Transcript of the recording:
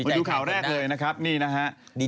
มาดูข่าวแรกเลยนะครับนี่นะฮะ